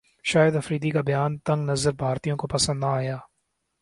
شاہد افریدی کا بیان تنگ نظر بھارتیوں کو پسند نہ ایا